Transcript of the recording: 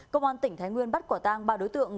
công an tỉnh thái nguyên bắt quả tang ba đối tượng